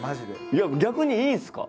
いや逆にいいんすか？